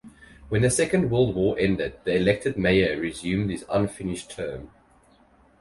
When the Second World War ended the elected mayor resumed his unfinished term.